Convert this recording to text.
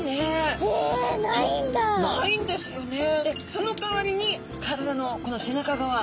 そのかわりに体の背中側